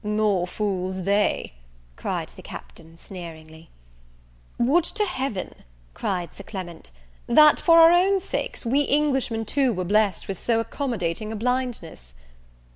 "More fools they!" cried the Captain, sneeringly. "Would to Heaven," cried, Sir Clement, "that, for our own sakes, we Englishmen too were blest with so accommodating a blindness!"